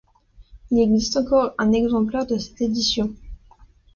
Il existe encore un exemplaire de cette édition.